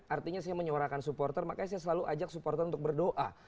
artinya saya menyuarakan supporter makanya saya selalu ajak supporter untuk berdoa